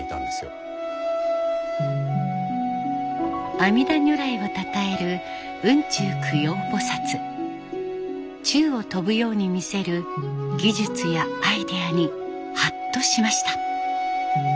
阿弥陀如来をたたえる宙を飛ぶように見せる技術やアイデアにハッとしました。